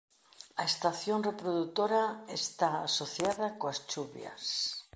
A estación reprodutora está asociada coas chuvias.